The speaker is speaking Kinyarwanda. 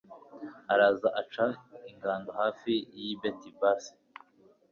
araza aca ingando hafi y'i betibasi